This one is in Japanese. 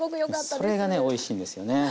それがねおいしいんですよね。